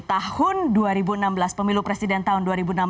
tahun dua ribu enam belas pemilu presiden tahun dua ribu enam belas